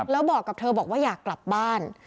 แล้วบอกกับเธอบอกว่าอยากกลับบ้าน